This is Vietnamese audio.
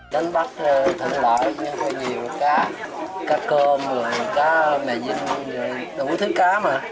đánh bắt thẳng lõi nhưng có nhiều cá cá cơm cá mè dính đủ thứ cá